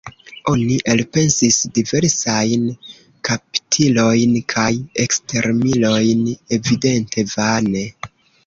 Oni elpensis diversajn kaptilojn kaj ekstermilojn, evidente vane.